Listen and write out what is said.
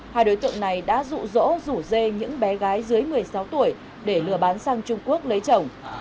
hai đối tượng này đã rụ rỗ rủ dê những bé gái dưới một mươi sáu tuổi để lừa bán sang trung quốc lấy chồng